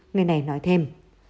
người này nói thêm